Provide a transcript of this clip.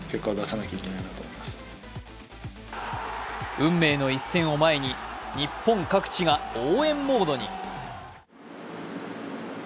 運命の一戦を前に日本各地が応援モードに。